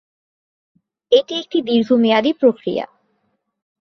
এটি একটি দীর্ঘ মেয়াদী প্রক্রিয়া।